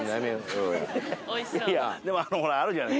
でもほらあるじゃない。